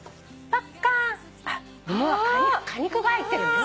桃は果肉が入ってるんです。